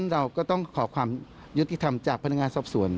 เราก็ต้องขอความยุติธรรมจากพนักงานสอบสวน